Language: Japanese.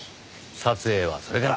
撮影はそれから。